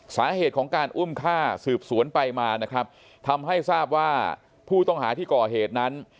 สาเหตุของการอุ้มฆ่าสืบสวนไปมานะครับทำให้ทราบว่าผู้ต้องหาที่ก่อเหตุนั้น